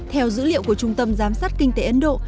theo dữ liệu của trung tâm giám sát kinh tế ấn độ